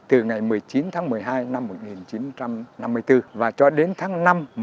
từ ngày một mươi chín tháng một mươi hai năm một nghìn chín trăm năm mươi bốn và cho đến tháng năm một nghìn chín trăm năm mươi tám